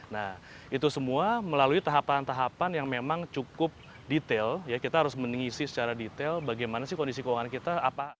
nah itu semua melalui tahapan tahapan yang memang cukup detail ya kita harus mengisi secara detail bagaimana sih kondisi keuangan kita